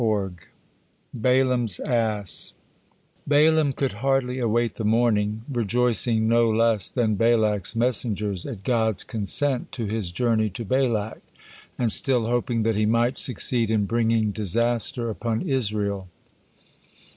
BALAAM'S ASS Balaam could hardly await the morning, rejoicing no less than Balak's messengers at God's consent to his journey to Balak, and still hoping that he might succeed in bringing disaster upon Israel.